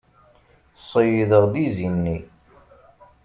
Ṣeyydeɣ-d izi-nni.